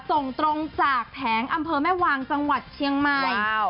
ส่งตรงจากแผงอำเภอแม่วางจังหวัดเชียงใหม่